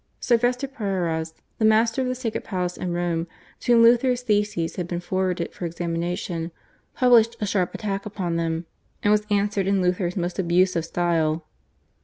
Sylvester Prierias, the master of the Sacred Palace in Rome, to whom Luther's theses had been forwarded for examination, published a sharp attack upon them, and was answered in Luther's most abusive style.